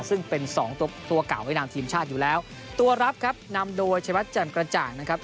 สองตัวตัวก่าวให้นามทีมชาติอยู่แล้วตัวรับครับนำโดยใช้พัฒน์แจ่มกระจ่างนะครับ